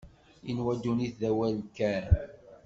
Inwa ddunit d awal kan.